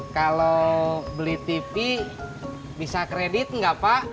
kalau beli tipi bisa kredit enggak pak